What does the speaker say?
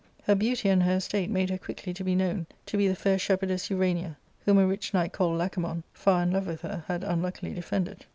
Her beauty and her estate made her quickly to be known to be the fair shepherdess Urania, whom a rich knight called Lacemon, far in love with her, had unluckily defended.